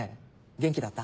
元気だった？